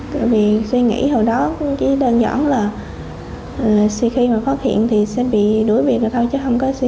tại vì suy nghĩ hồi đó chỉ đơn giản là suy khi mà phát hiện thì sẽ bị đuổi biệt rồi thôi chứ không có suy nghĩ là